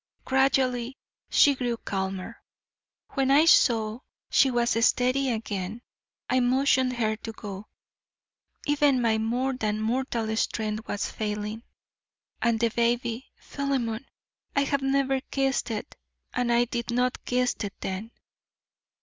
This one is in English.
Gradually she grew calmer. When I saw she was steady again, I motioned her to go. Even my more than mortal strength was failing, and the baby Philemon, I had never kissed it and I did not kiss it then.